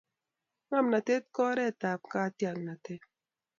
ngomnatet ko oret ap katyaknatet